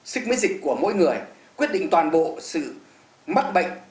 sức miễn dịch của mỗi người quyết định toàn bộ sự mắc bệnh